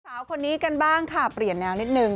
สาวคนนี้กันบ้างค่ะเปลี่ยนแนวนิดนึง